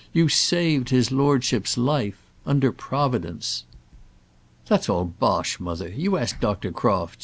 "You saved his lordship's life, under Providence." "That's all bosh, mother. You ask Dr. Crofts.